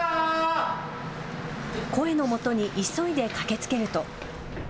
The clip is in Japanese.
声のもとに急いで駆けつけると。